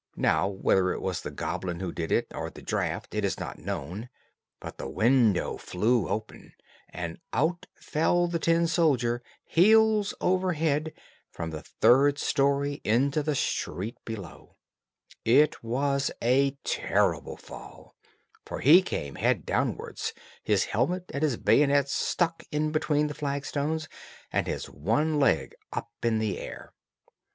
Now, whether it was the goblin who did it, or the draught, is not known, but the window flew open, and out fell the tin soldier, heels over head, from the third story, into the street beneath. It was a terrible fall; for he came head downwards, his helmet and his bayonet stuck in between the flagstones, and his one leg up in the air.